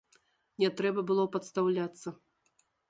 Не трэба было падстаўляцца.